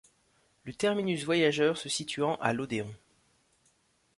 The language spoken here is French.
Le terminus voyageurs se situant à l'Odéon.